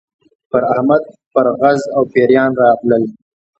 پر احمد پرغز او پېریان راغلل.